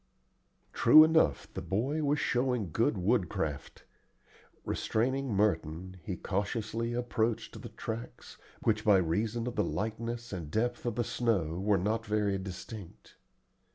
True enough, the boy was showing good woodcraft. Restraining Merton, he cautiously approached the tracks, which by reason of the lightness and depth of the snow were not very distinct.